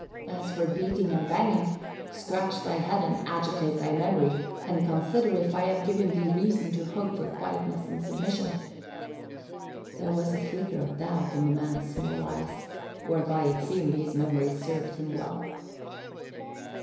As for beating and banging scratch thy head and agitate thy memory and consider if I have given thee reason to hope for quietness and submission." There was a flicker of doubt in the man's small eyes, whereby it seemed his memory served him well.